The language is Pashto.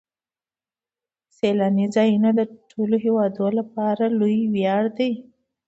سیلاني ځایونه د ټولو هیوادوالو لپاره لوی ویاړ دی.